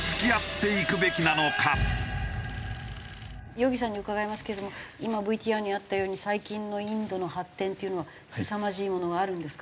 よぎさんに伺いますけども今ＶＴＲにあったように最近のインドの発展っていうのはすさまじいものがあるんですか？